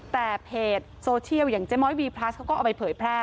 แต่เพจโซเชียลอย่างเจ๊ม้อยวีพลัสเขาก็เอาไปเผยแพร่